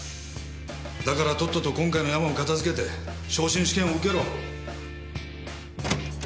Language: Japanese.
だからとっとと今回のヤマを片付けて昇進試験を受けろ。